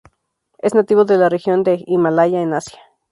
Es nativo de la región del Himalaya en Asia.